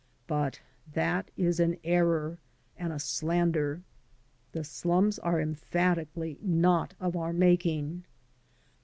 But that is an error and a slander. The slums are emphatically not of our making.